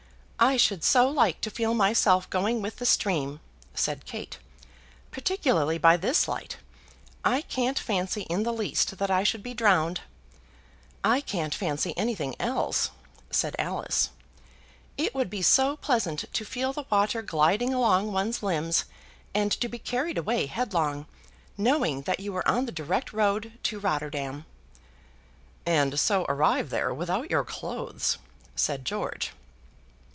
"I should so like to feel myself going with the stream," said Kate; "particularly by this light. I can't fancy in the least that I should be drowned." "I can't fancy anything else," said Alice. "It would be so pleasant to feel the water gliding along one's limbs, and to be carried away headlong, knowing that you were on the direct road to Rotterdam." "And so arrive there without your clothes," said George.